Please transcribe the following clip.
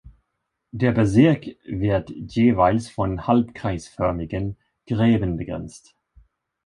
Der Bezirk wird jeweils von halbkreisförmigen Gräben begrenzt.